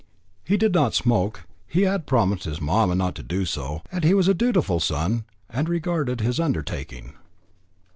He did not smoke; he had promised his "mamma" not to do so, and he was a dutiful son, and regarded his undertaking.